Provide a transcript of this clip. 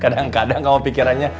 kadang kadang kamu pikirannya